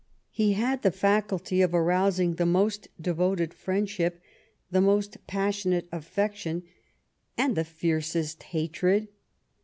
He had the faculty of arousing the most devoted friendship, the most pas Mionate affection, and the fiercest hatred.